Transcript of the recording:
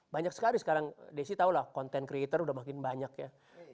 banyak sekali sekarang desi tahu lah content creator udah makin banyak ya